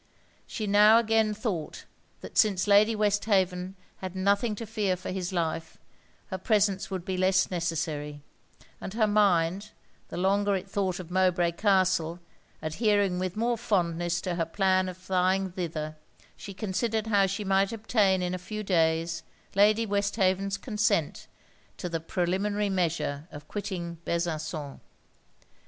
She now again thought, that since Lady Westhaven had nothing to fear for his life, her presence would be less necessary; and her mind, the longer it thought of Mowbray Castle, adhering with more fondness to her plan of flying thither, she considered how she might obtain in a few days Lady Westhaven's consent to the preliminary measure of quitting Besançon.